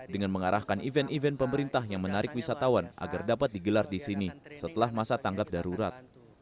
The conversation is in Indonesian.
dengan mengarahkan event event pemerintah yang menarik wisatawan agar dapat digelar di sini setelah masa tanggap darurat